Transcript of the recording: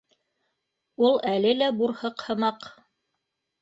Ул әле лә бурһыҡ һымаҡ.